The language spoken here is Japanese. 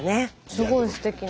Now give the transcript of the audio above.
すごいすてきな。